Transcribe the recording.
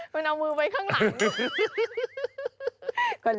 คุณเอามือไว้ข้างหลัง